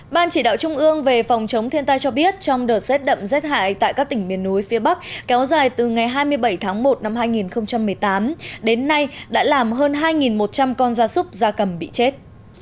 ban chỉ đạo trung ương về phòng chống thiên tai cho biết trong đợt rét đậm rét hại tại các tỉnh miền núi phía bắc kéo dài từ ngày hai mươi bảy tháng một năm hai nghìn một mươi tám đến nay đã làm hơn hai một trăm linh con gia súc gia cầm bị chết